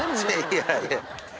いやいや。